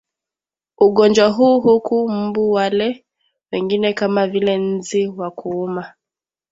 ugonjwa huu huku mbu wale wengine kama vile nzi wa kuuma